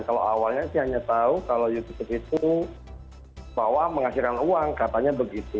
kalau awalnya sih hanya tahu kalau youtube itu bahwa menghasilkan uang katanya begitu